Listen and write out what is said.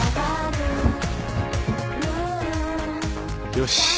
よし。